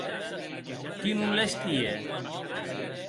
Qui non les tie?